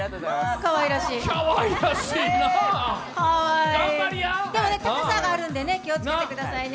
かわいらしいなでも、高さがあるんで、気をつけてくださいね。